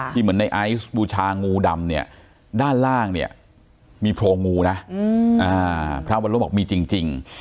ที่เหมือนในอายุประมาณบูชางูดำเนี่ยด้านล่างเนี่ยมีโพงูนะพระวรรพบอกมีจริง